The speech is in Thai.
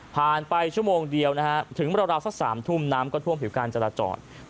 ผ่านไปชั่วโมงเดียวถึงประมาณสัก๓ทุ่มน้ำก็ท่วมผิวกาลจรจร